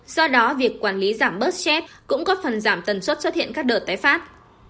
do đó việc quản lý giảm bớt chip cũng góp phần giảm tần suất xuất hiện các đợt tái phát